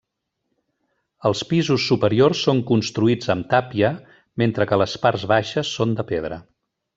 Els pisos superiors són construïts amb tàpia mentre que les parts baixes són de pedra.